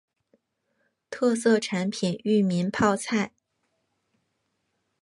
特色产品裕民泡菜。